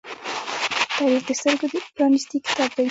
تاریخ د سترگو پرانیستی کتاب دی.